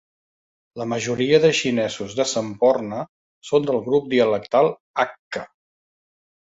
La majoria de xinesos de Semporna són del grup dialectal hakka.